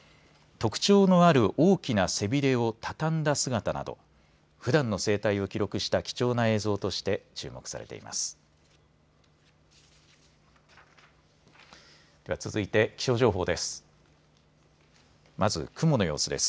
特徴のある大きな背びれを畳んだ姿などふだんの生態を記録した貴重な映像として注目されています。